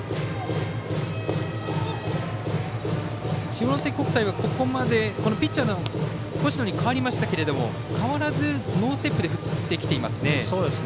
下関国際はピッチャーが星野に代わりましたけど変わらず、ノーステップで振ってきていますね。